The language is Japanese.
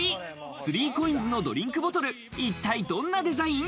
３ＣＯＩＮＳのドリンクボトル、一体どんなデザイン？